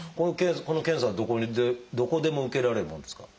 この検査はどこでも受けられるもんですか？